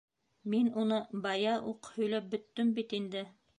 — Мин уны бая уҡ һөйләп бөттөм бит инде.